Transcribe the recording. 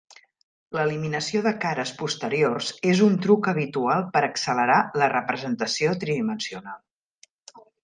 L'eliminació de cares posteriors és un truc habitual per accelerar la representació tridimensional.